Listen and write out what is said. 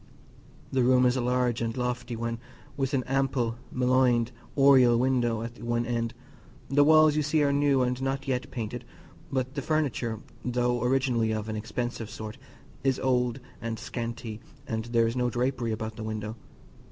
The room is a large and lofty one, with an ample mullioned oriel window at one end; the walls, you see, are new, and not yet painted; but the furniture, though originally of an expensive sort, is old and scanty, and there is no drapery about the window.